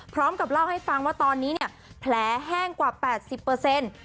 พร้อมกับเล่าให้ฟังว่าตอนนี้เนี่ยแผลแห้งกว่า๘๐เปอร์เซ็นต์